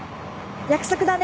約束だね。